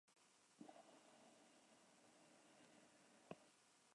Jim Moran se formó en el equipo del St.